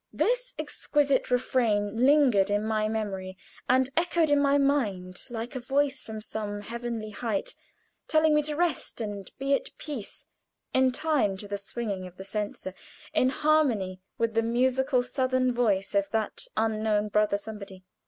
This exquisite refrain lingered in my memory and echoed in my mind, like a voice from some heavenly height, telling me to rest and be at peace, in time to the swinging of the censer, in harmony with the musical southern voice of that unknown Brother Somebody.